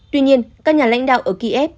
tuy nhiên các nhà lãnh đạo ở kiev